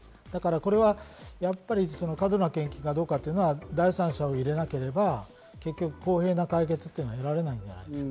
これはやっぱり過度な献金かどうかというのは第三者を入れなければ、結局、公平な解決というのは得られない。